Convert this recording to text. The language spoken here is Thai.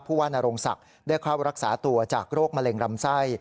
ว่านโรงศักดิ์ได้เข้ารักษาตัวจากโรคมะเร็งลำไส้